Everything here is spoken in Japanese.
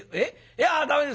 いや駄目ですよ。